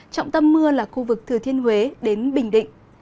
trọng tâm mưa là khu vực thừa thiên huế đến bình định